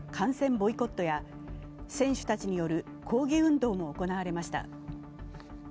ボイコットや選手たちによる抗議運動も行われました。